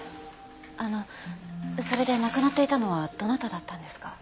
あのそれで亡くなっていたのはどなただったんですか？